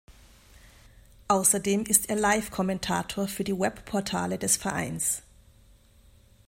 Außerdem ist er Live-Kommentator für die Webportale des Vereins.